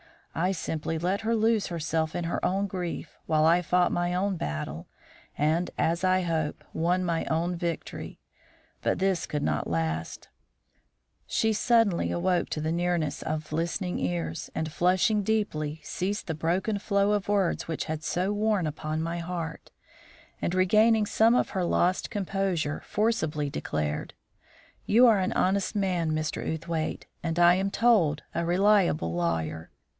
I simply let her lose herself in her own grief, while I fought my own battle, and, as I hope, won my own victory. But this could not last; she suddenly awoke to the nearness of listening ears, and, flushing deeply, ceased the broken flow of words which had so worn upon my heart, and, regaining some of her lost composure, forcibly declared: "You are an honest man, Mr. Outhwaite, and, I am told, a reliable lawyer.